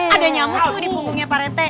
ada nyamuk tuh di punggungnya pak rete